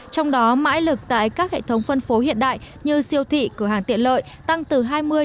trong đó mãi lực tại các hệ thống phân phố hiện đại như siêu thị cửa hàng tiện lợi tăng từ hai mươi ba mươi